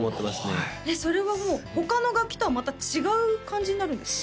すごいそれはもう他の楽器とはまた違う感じになるんですか？